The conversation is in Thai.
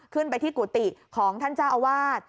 ขึ้นไปที่กุฏิของท่านเจ้าอาวาส